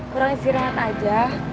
kurang istirahat aja